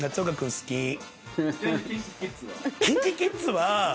ちなみにＫｉｎＫｉＫｉｄｓは？